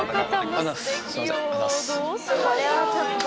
ありがとうございます。